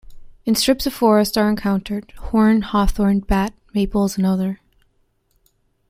In strips of forest are encountered: horn, hawthorn, bat, maples and other.